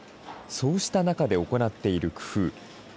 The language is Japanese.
そうした中で行っている工夫。